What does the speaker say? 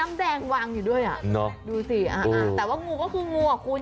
น้ำแดงวางอยู่ด้วยอ่ะเนอะดูสิอ่าแต่ว่างูก็คืองูอ่ะคุณ